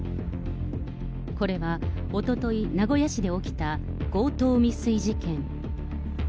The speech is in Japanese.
これはおととい、名古屋市で起きた強盗未遂事件。